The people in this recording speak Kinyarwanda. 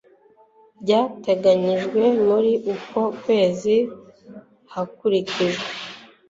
byateganyijwe muri uko kwezi hakurikijwe